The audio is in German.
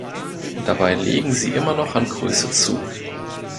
Dabei legen sie immer noch an Größe zu.